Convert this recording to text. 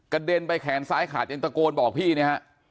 เด็นไปแขนซ้ายขาดยังตะโกนบอกพี่เนี่ยฮะ